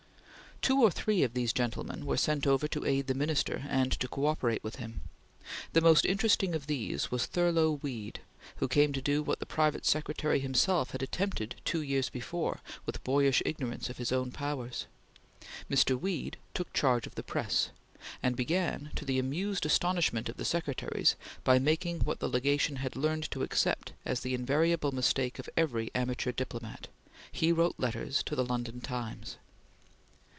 Two or three of these gentlemen were sent over to aid the Minister and to cooperate with him. The most interesting of these was Thurlow Weed, who came to do what the private secretary himself had attempted two years before, with boyish ignorance of his own powers. Mr. Weed took charge of the press, and began, to the amused astonishment of the secretaries, by making what the Legation had learned to accept as the invariable mistake of every amateur diplomat; he wrote letters to the London Times.